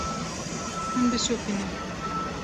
Min bişopîne.